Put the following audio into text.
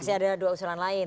masih ada dua usulan lain